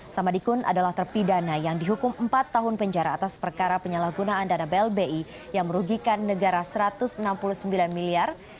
samadikun adalah terpidana yang dihukum empat tahun penjara atas perkara penyalahgunaan dana blbi yang merugikan negara satu ratus enam puluh sembilan miliar